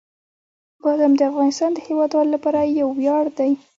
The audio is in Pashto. بادام د افغانستان د هیوادوالو لپاره یو ویاړ دی.